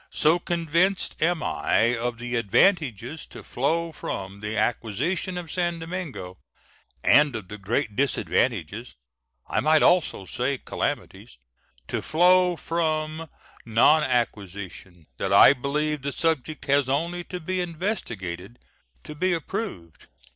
So convinced am I of the advantages to flow from the acquisition of San Domingo, and of the great disadvantages I might almost say calamities to flow from nonacquisition, that I believe the subject has only to be investigated to be approved.